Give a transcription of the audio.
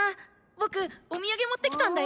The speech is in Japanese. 僕お土産持ってきたんだよ！